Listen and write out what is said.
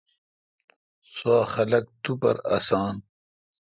سوا خلق تو پر ہسان۔